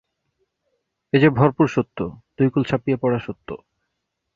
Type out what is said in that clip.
এ যে ভরপুর সত্য, দুই কূল ছাপিয়ে-পড়া সত্য।